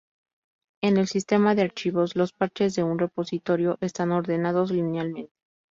En el sistema de archivos, los parches de un repositorio están ordenados linealmente.